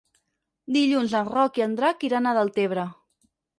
Dilluns en Roc i en Drac iran a Deltebre.